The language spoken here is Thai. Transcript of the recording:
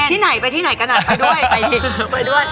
ที่ไหนไปที่ไหนก็นัดไปด้วยไปด้วย